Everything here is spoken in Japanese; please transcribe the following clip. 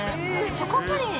チョコプリン。